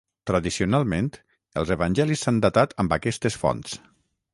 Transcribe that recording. Tradicionalment els evangelis s'han datat amb aquestes fonts.